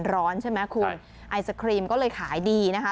ร้อนใช่ไหมคุณไอศครีมก็เลยขายดีนะคะ